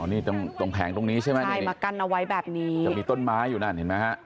นี่ตรงตรงแผงตรงนี้ใช่ไหมใช่มากั้นเอาไว้แบบนี้จะมีต้นไม้อยู่นั่นเห็นไหมฮะ